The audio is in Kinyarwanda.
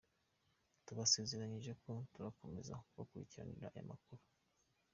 Tubasezeranyije ko turakomeza kubakurikiranira aya makuru.